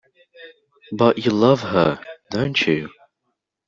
But you love her, don't you?